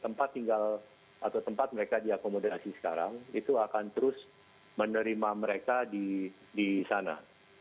tempat tinggal atau tempat mereka diakomodasi sekarang itu akan terus menerima mereka di sana